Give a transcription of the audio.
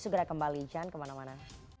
segera kembali jangan kemana mana